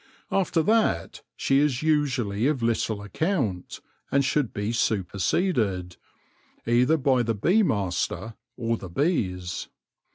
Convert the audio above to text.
After that she is usually of little account, and should be superseded, either by the bee master or the bees.